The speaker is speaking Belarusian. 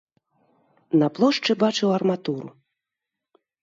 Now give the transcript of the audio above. На плошчы бачыў арматуру.